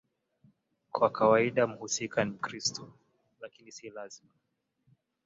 Kwa kawaida mhusika ni Mkristo, lakini si lazima.